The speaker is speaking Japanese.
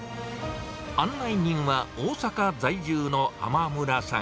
案内人は、大阪在住の濱村さん。